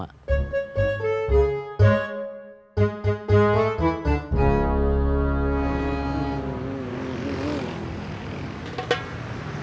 akang mau buka puasa bersama